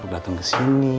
dateng ke sini